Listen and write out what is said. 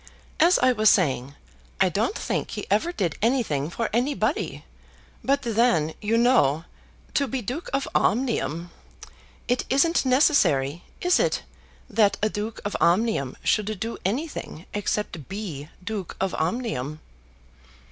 As I was saying, I don't think he ever did anything for anybody; but then, you know, to be Duke of Omnium! It isn't necessary, is it, that a Duke of Omnium should do anything except be Duke of Omnium?"